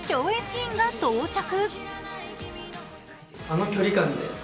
シーンが到着。